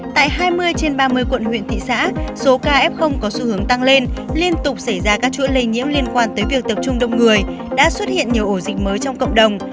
tại hai mươi trên ba mươi quận huyện thị xã số ca f có xu hướng tăng lên liên tục xảy ra các chuỗi lây nhiễm liên quan tới việc tập trung đông người đã xuất hiện nhiều ổ dịch mới trong cộng đồng